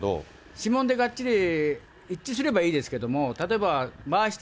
指紋でがっちり一致すればいいですけれども、例えば、回して